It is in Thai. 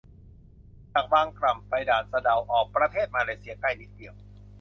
จากบางกล่ำ ไปด่านสะเดา ออกประเทศมาเลเซียใกล้นิดเดียว